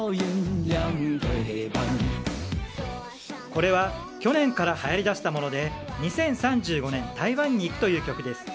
これは、去年からはやりだしたもので「２０３５年台湾に行く」という曲です。